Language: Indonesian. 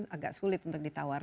agak sulit untuk ditawar